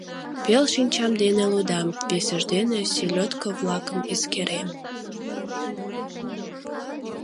Пел шинчам дене лудам, весыж дене селёдко-влакым эскерем.